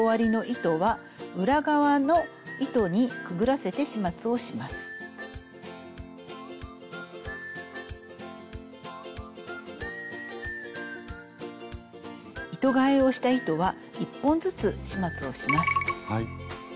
糸がえをした糸は１本ずつ始末をします。